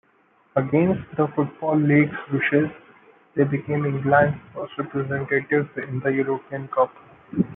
Against the Football League's wishes, they became England's first representatives in the European Cup.